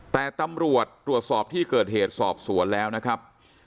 แต่ตำรวจตรวจสอบที่เกิดเหตุสอบสวนแล้วนะครับ